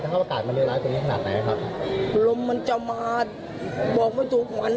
ถ้าเกาะอากาศมันเรียกร้านตรงนี้ขนาดไหนครับลมมันจะมาบอกไว้ถูกหวัน